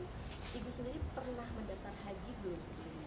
ibu sendiri pernah mendaftar haji belum